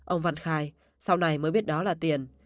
ông văn khai sau này mới biết đó là tiền